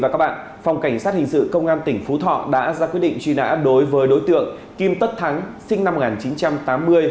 công an tỉnh phú thọ đã ra quyết định truy nã đối với đối tượng kim tất thắng sinh năm một nghìn chín trăm tám mươi